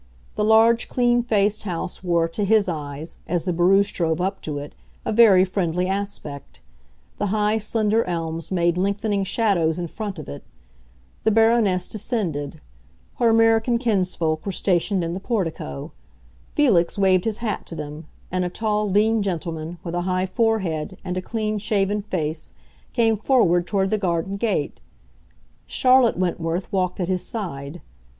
The large, clean faced house wore, to his eyes, as the barouche drove up to it, a very friendly aspect; the high, slender elms made lengthening shadows in front of it. The Baroness descended; her American kinsfolk were stationed in the portico. Felix waved his hat to them, and a tall, lean gentleman, with a high forehead and a clean shaven face, came forward toward the garden gate. Charlotte Wentworth walked at his side.